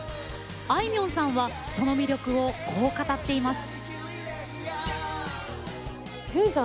あいみょんさんはその魅力を、こう語っています。